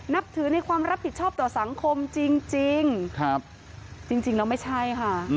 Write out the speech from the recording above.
นับถือในความรับผิดชอบต่อสังคมจริงจริงแล้วไม่ใช่ค่ะ